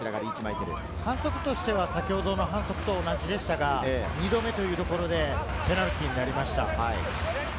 反則としては先ほどと同じでしたが、２度目というところでペナルティーになりました。